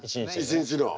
一日の。